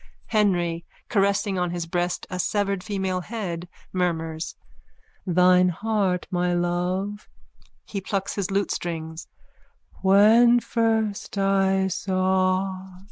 HENRY: (Caressing on his breast a severed female head, murmurs.) Thine heart, mine love. (He plucks his lutestrings.) When first I saw...